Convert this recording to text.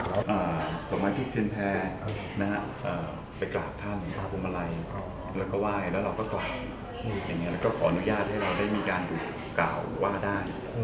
แล้วก็ขอนุญาตให้เราได้ไม่การกล่าวหว่าได้